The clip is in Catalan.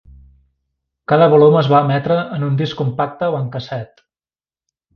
Cada volum es va emetre en un disc compacte o en casset.